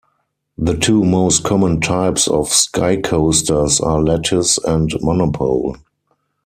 The two most common types of Skycoasters are lattice and monopole.